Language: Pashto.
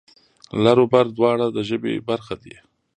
لر و بر دواړه د ژبې برخه دي.